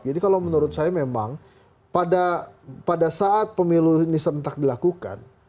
jadi kalau menurut saya memang pada saat pemilu ini serentak dilakukan